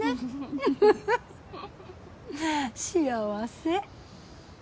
フフフ幸せ。